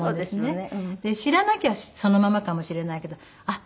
知らなきゃそのままかもしれないけどあっ